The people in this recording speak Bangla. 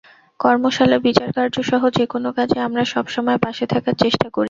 কর্মশালা, বিচারকার্যসহ যেকোনো কাজে আমরা সব সময় পাশে থাকার চেষ্টা করি।